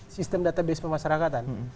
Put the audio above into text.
sistem database pemasarakatan